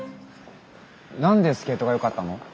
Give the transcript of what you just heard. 何でスケートがよかったの？